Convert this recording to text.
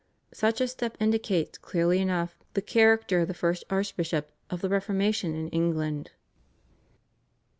Such a step indicates clearly enough the character of the first archbishop of the Reformation in England.